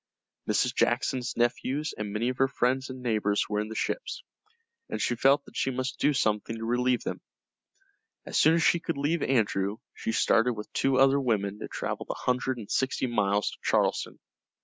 Mrs. Jackson's nephews and many of her friends and neighbors were in the ships, and she felt that she must do something to relieve them. As soon as she could leave Andrew, she started with two other women to travel the hundred and sixty miles to Charleston.